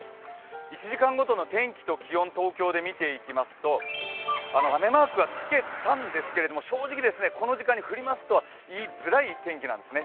１時間ごとの天気と気温を東京で見ていきますと、雨マークはつけたんですけども、正直、この時間に降りますとは言いづらい天気なんですね。